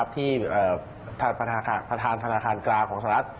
ที่ประธานธนาคารกลางของสหรัฐ